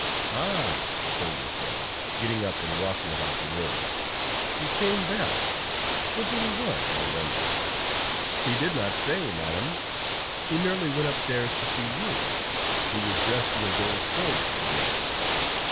"Ah!" Sonia said, getting up and walking about the room. "He came back? What did he want, I wonder?" "He did not say, Madame. He merely went upstairs to see you. He was dressed in his old clothes again."